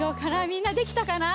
みんなできたかな？